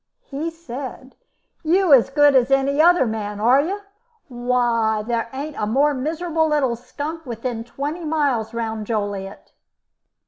He said: "You as good as any other man, are you? Why there ain't a more miserable little skunk within twenty miles round Joliet."